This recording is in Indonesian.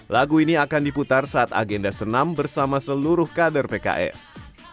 lagu ini akan diputar saat agenda senam bersama seluruh kader pks